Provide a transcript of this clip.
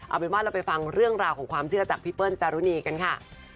เอาเป็นว่าเราไปฟังเรื่องราวของความเชื่อจากพี่เปิ้ลจารุณีกันค่ะ